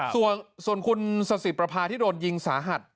หรือส่วนคุณศาสิปรภาที่โดนยิงสาหัส